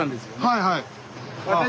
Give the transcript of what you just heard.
はいはい。